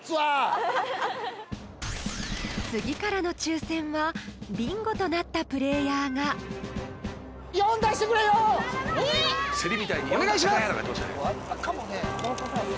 ［次からの抽選はビンゴとなったプレイヤーが］お願いします。